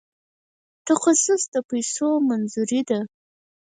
تخصیص د پیسو منظوري ده